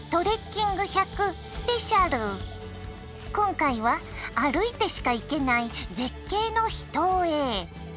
今回は歩いてしか行けない絶景の秘湯へ！